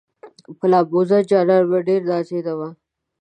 په لامبوزن جانان مې ډېره نازېدمه